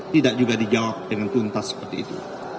tidak juga dijawab dengan tuntas seperti itu